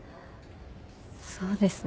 そうですね。